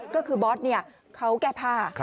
ก็คือบอสเขาแก้ผ้า